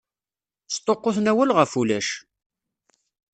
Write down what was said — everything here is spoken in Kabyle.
Sṭuqquten awal ɣef ulac!